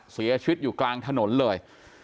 เสียชีวิตอยู่กลางถนนเลย